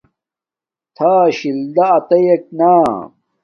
تھا ۔شل دا اتییک نا